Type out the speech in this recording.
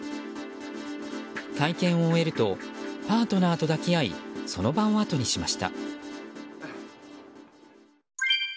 会見を終えるとパートナーと抱き合いその場をあとにしました。